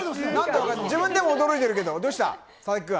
自分でも驚いてるけど、どうした、佐々木君。